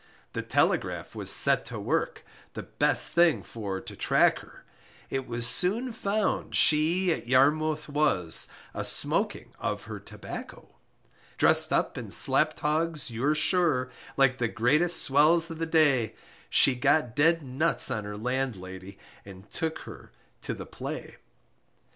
The telegraph was set to work, The best thing for to track her, It was soon found she at Yarmouth was A smoking of her tobacco; Drest up in slap togs, you're sure, Like the greatest swells of the day, She got dead nuts on her landlady, And took her to the play.